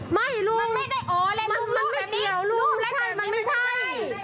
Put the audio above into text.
ไม่ลุงมันไม่เกี่ยวลุงมันไม่ใช่